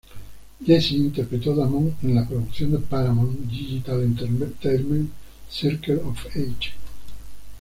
Jesse interpretó Damon en la producción de Paramount Digital Entertainment "Circle of Eight".